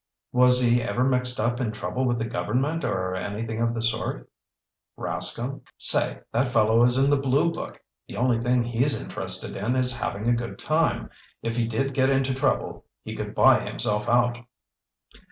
"Was he ever mixed up in trouble with the government or anything of the sort?" "Rascomb? Say, that fellow is in the blue book. The only thing he's interested in is having a good time. If he did get into trouble he could buy himself out."